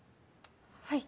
はい。